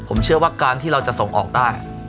ผมเชื่อว่าการที่เราจะส่งออกได้